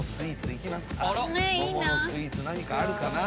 桃のスイーツ何かあるかな？